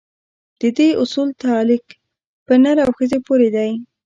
د دې اصول تعلق په نر او ښځې پورې دی.